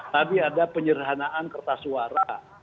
tadi ada penyerhanaan kertas suara